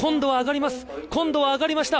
今度は上がりました！